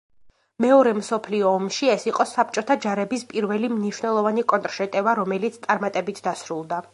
მეორე მსოფლიო ომში ეს იყო საბჭოთა ჯარების პირველი მნიშვნელოვანი კონტრშეტევა რომელიც წარმატებით დასრულდა.